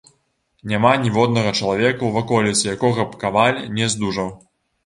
Няма ніводнага чалавека ў ваколіцы, якога б каваль не здужаў.